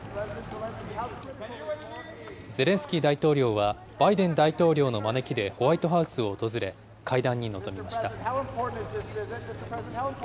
ゼレンスキー大統領は、バイデン大統領の招きでホワイトハウスを訪れ、会談に臨みました。